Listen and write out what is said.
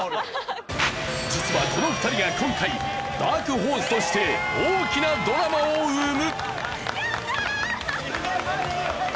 実はこの２人が今回ダークホースとして大きなドラマを生む！